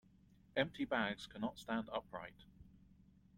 Empty bags cannot stand upright.